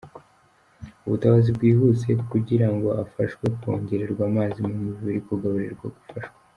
ubutabazi bwihuse kugirango afashwe kongererwa amazi mu mubiri, kugaburirwa, gufashwa